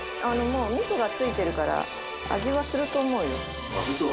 もう味噌がついてるから味はすると思うよ。